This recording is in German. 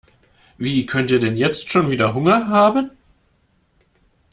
Wie könnt ihr denn jetzt schon wieder Hunger haben?